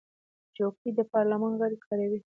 چوکۍ د پارلمان غړي کاروي.